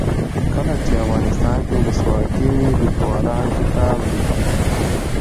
کله چې افغانستان کې ولسواکي وي لیکوالان کتاب لیکي.